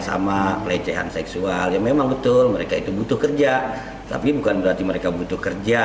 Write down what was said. sama pelecehan seksual yang memang betul mereka itu butuh kerja tapi bukan berarti mereka butuh kerja